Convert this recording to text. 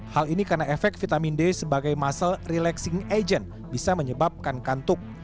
hal ini karena efek vitamin d sebagai muscle relaxing agent bisa menyebabkan kantuk